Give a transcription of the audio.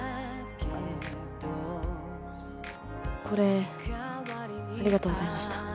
これありがとうございました。